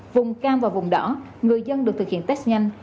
vùng cam và vùng đỏ người dân được thực hiện test nhanh